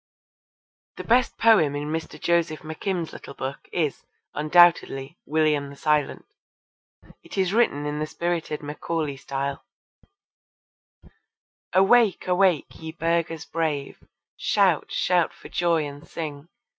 The best poem in Mr. Joseph McKim's little book is, undoubtedly, William the Silent. It is written in the spirited Macaulay style: Awake, awake, ye burghers brave! shout, shout for joy and sing!